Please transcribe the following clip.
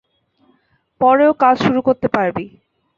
পরেও কাজ শুরু করতে পারবি।